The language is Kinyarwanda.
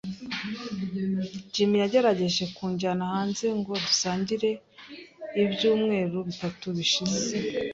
Jim yagerageje kunjyana hanze ngo dusangire ibyumweru bitatu bishize.